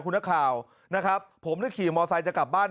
คุณนักข่าวนะครับผมได้ขี่มอไซค์จะกลับบ้าน